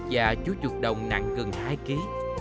và chú chuột đồng nặng gần hai ký